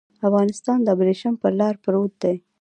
افغانستان د ابريښم پر لار پروت دی.